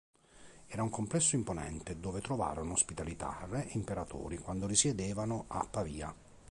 Era un complesso imponente, dove trovarono ospitalità re e imperatori quando risiedevano a Pavia.